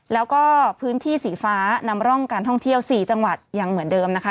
แล้วก็พื้นที่สีฟ้านำร่องการท่องเที่ยว๔จังหวัดยังเหมือนเดิมนะคะ